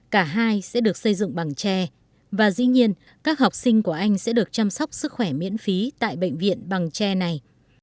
cả hai sẽ được xây dựng bằng tre và dĩ nhiên các học sinh của anh sẽ được chăm sóc sức khỏe miễn phí tại bệnh viện bằng tre này